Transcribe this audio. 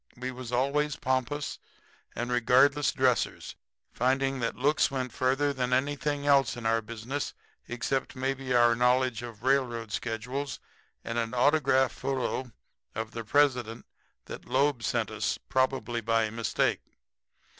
We was always pompous and regardless dressers, finding that looks went further than anything else in our business, except maybe our knowledge of railroad schedules and an autograph photo of the President that Loeb sent us, probably by mistake.